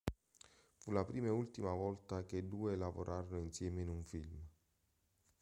Fu la prima e ultima volta che i due lavorarono insieme in un film.